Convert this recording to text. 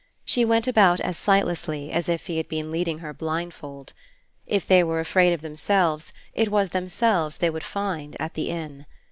She went about as sightlessly as if he had been leading her blindfold. If they were afraid of themselves it was themselves they would find at the inn.